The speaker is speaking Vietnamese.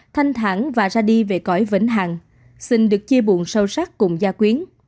thanh thẳng và ra đi về cõi vĩnh hằng xin được chia buồn sâu sắc cùng gia quyến